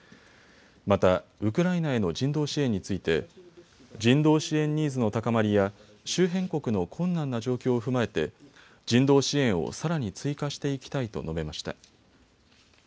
また、ウクライナへの人道支援について人道支援ニーズの高まりや周辺国の困難な状況を踏まえて人道支援をさらに追加していきたいと述べました。